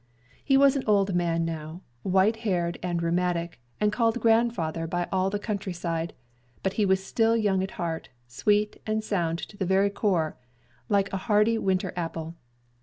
He was an old man now, white haired and rheumatic, and called grandfather by all the country side; but he was still young at heart, sweet and sound to the very core, like a hardy winter apple.